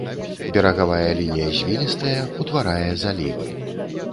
Берагавая лінія звілістая, утварае залівы.